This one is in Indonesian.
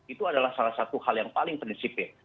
itu adalah salah satu hal yang paling prinsipil